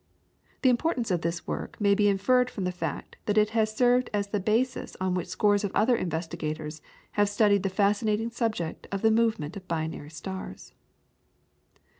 The importance of this work may be inferred from the fact that it has served as the basis on which scores of other investigators have studied the fascinating subject of the movement of binary stars.